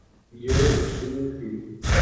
پہ مشتمل تھی۔